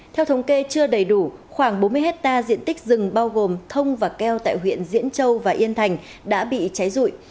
theo thống kê chưa đầy đủ khoảng bốn mươi hectare diện tích rừng bao gồm thông và keo tại huyện diễn châu và yên thành đã bị cháy rụi